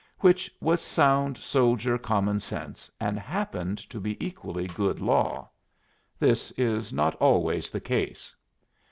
Which was sound soldier common sense, and happened to be equally good law. This is not always the case.